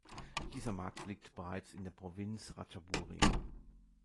Dieser Markt liegt bereits in der Provinz Ratchaburi.